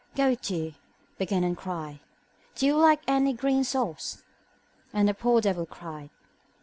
Go to, begin and cry, Do you lack any green sauce? and the poor devil cried.